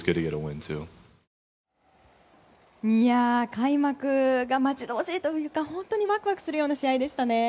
開幕が待ち遠しいというか本当にワクワクするような試合でしたね。